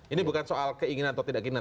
ini bukan soal keinginan atau tidak keinginan